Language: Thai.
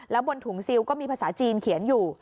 แล้วบนถุงซิลก็มีภาษาจีนเขียนอยู่